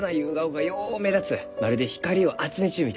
まるで光を集めちゅうみたいに。